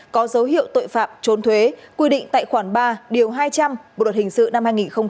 có dấu hiệu tội phạm trốn thuế quy định tại khoản ba điều hai trăm linh bộ luật hình sự năm hai nghìn một mươi năm